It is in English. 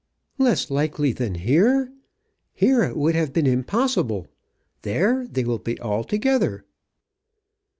"Less likely than here! Here it would have been impossible. There they will be all together."